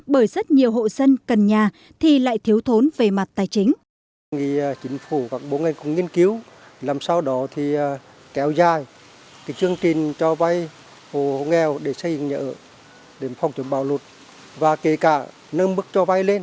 bởi rất nhiều hộ dân cần nhà thì lại thiếu thốn về mặt tài chính